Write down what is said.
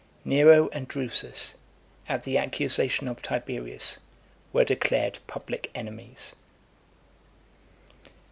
Nero and Drusus, at the accusation of Tiberius, were declared public enemies.